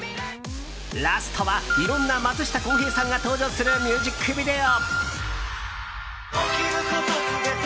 ラストはいろんな松下洸平さんが登場するミュージックビデオ。